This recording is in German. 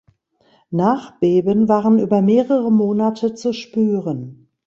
Nachbeben waren über mehrere Monate zu spüren.